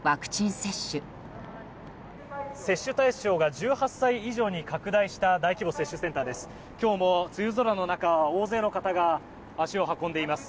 接種対象が１８歳以上に拡大した大規模接種センターです。